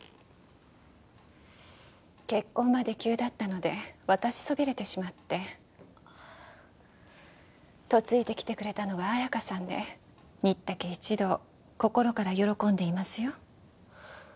結婚まで急だったので渡しそびれてしまって嫁いできてくれたのが綾華さんで新田家一同心から喜んでいますよ